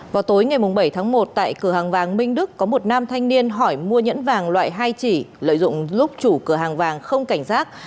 vào tối ngày bảy tháng một tại cửa hàng vàng minh đức có một nam thanh niên hỏi mua nhẫn vàng loại hai chỉ lợi dụng lúc chủ cửa hàng vàng không cảnh giác